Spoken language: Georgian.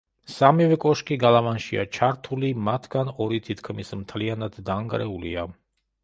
სამივე კოშკი გალავანშია ჩართული, მათგან ორი თითქმის მთლიანად დანგრეულია.